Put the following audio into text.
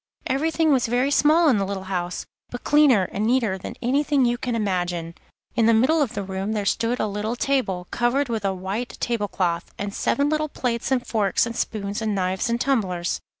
Everything was very small in the little house, but cleaner and neater than anything you can imagine. In the middle of the room there stood a little table, covered with a white tablecloth, and seven little plates and forks and spoons and knives and tumblers.